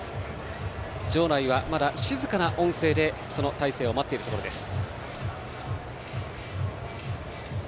場内はまだ静かな音声で大勢を待っているところです。